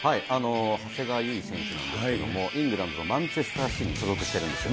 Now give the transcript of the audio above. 長谷川唯選手なんですけれども、イングランド・マンチェスターシティに所属してるんですよ。